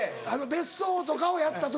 別荘とかをやった時？